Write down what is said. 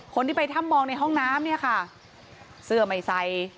คนที่ไปถ้ำมองในห้องน้ำเนี่ยค่ะเสื้อไม่ใส่